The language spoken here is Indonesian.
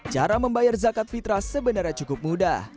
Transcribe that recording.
cara membayar zakat fitrah sebenarnya cukup mudah